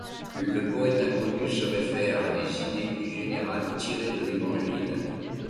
Le poète inconnu se réfère à des idées générales tirées de l'Évangile.